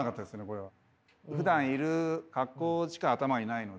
これは。ふだんいる格好しか頭にないので。